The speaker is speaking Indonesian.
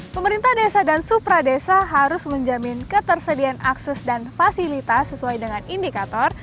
pemerintah desa dan supra desa harus menjamin ketersediaan akses dan fasilitas sesuai dengan indikator